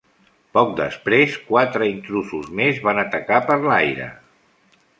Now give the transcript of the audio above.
Poc després, quatre intrusos més van atacar per l'aire.